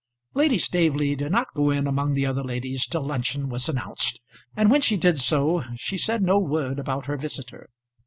Lady Staveley did not go in among the other ladies till luncheon was announced, and when she did so, she said no word about her visitor.